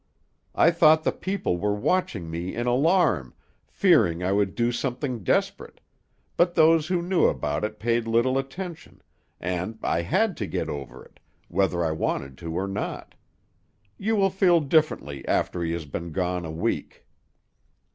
I thought the people were watching me in alarm, fearing I would do something desperate, but those who knew about it paid little attention, and I had to get over it, whether I wanted to or not. You will feel differently after he has been gone a week."